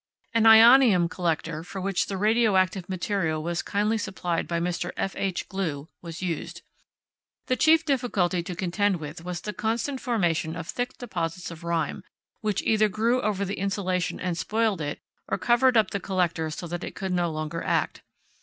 An ionium collector, for which the radioactive material was kindly supplied by Mr. F. H. Glew, was used. The chief difficulty to contend with was the constant formation of thick deposits of rime, which either grew over the insulation and spoiled it, or covered up the collector so that it could no longer act.